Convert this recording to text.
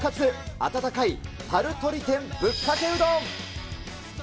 温かいタル鶏天ぶっかけうどん。